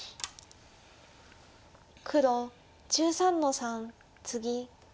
黒１３の三ツギ。